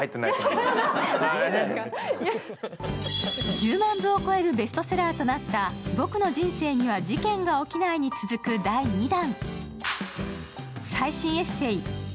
１０万部を超えるベストセラーとなった「僕の人生には事件が起きない」に続く第２弾。